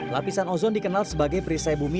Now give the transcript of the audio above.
lapisan ozon dikenal sebagai perisai bumi